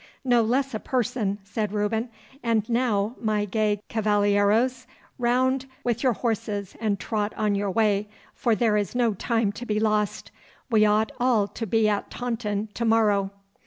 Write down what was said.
'No less a person,' said Reuben. 'And now, my gay cavalieros, round with your horses and trot on your way, for there is no time to be lost. We ought all to be at Taunton to morrow.